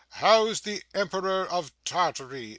'How's the Emperor of Tartary?